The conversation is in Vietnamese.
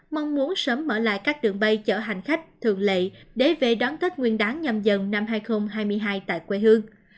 mong muốn sớm mở lại các đường bay chở hành khách thường lệ để về đón tết nguyên đáng nhầm dần năm hai nghìn hai mươi hai tại quê hương